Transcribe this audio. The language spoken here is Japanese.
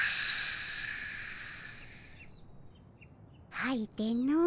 はいての。